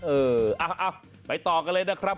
เออเอาไปต่อกันเลยนะครับ